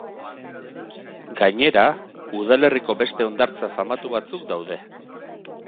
Gainera, udalerriko beste hondartza famatu batzuk daude.